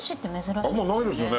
あんまないですよね。